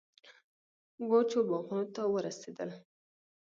وچو باغونو ته ورسېدل.